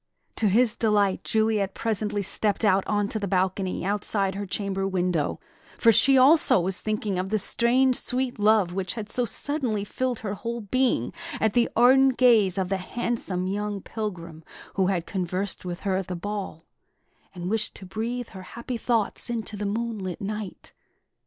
To his delight, Juliet presently stepped out on to the balcony outside her chamber window; for she also was thinking of the strange, sweet love which had so suddenly filled her whole being at the ardent gaze of the handsome young pilgrim who had conversed with her at the ball, and wished to breathe her happy thoughts into the moonlit night.